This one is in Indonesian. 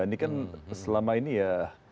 ini kan selama ini ya